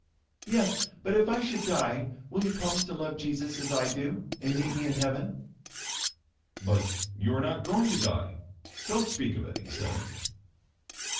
"Yes, but if I should die, will you promise to love Jesus just as I do, and meet me in heaven?" "But you are not going to die. Don't speak of it," he said.